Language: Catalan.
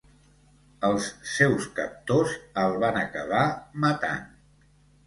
Els seus captors el van acabar matant.